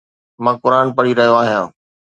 مان قرآن پڙهي رهيو آهيان.